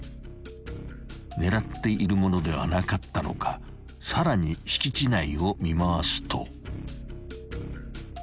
［狙っているものではなかったのかさらに敷地内を見回すと］